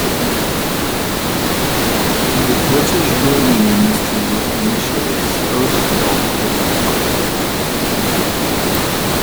The British building industry was initially slow to adopt the new product.